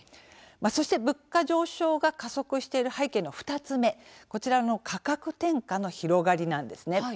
そして、物価上昇が加速している背景の２つ目、こちら価格転嫁の広がりなんです。